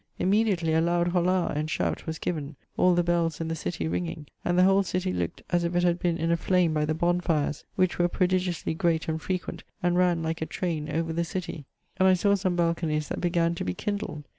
Immediately a loud holla and shout was given, all the bells in city ringing, and the whole citie looked as if it had been in a flame by the bonfires, which were prodigiously great and frequent and ran like a traine over the citie, and I sawe some balcone's that began to be kindled.